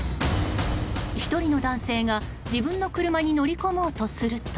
１人の男性が、自分の車に乗り込もうとすると。